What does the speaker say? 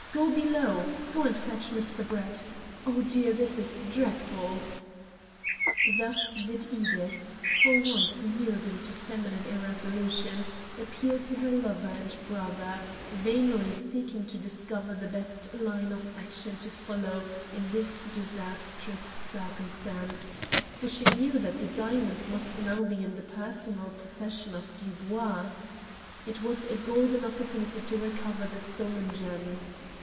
go below go and fetch Mr. Brett. Oh, dear, this is dreadful!" Thus did Edith, for once yielding to feminine irresolution, appeal to her lover and brother, vainly seeking to discover the best line of action to follow in this disastrous circumstance, for she knew that the diamonds must now be in the personal possession of Dubois. It was a golden opportunity to recover the stolen gems.